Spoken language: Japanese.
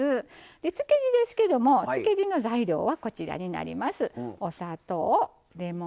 で漬け地ですけども漬け地の材料はこちらになります。